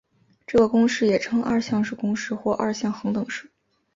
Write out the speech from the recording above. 这个公式也称二项式公式或二项恒等式。